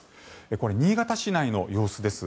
これは新潟市内の様子です。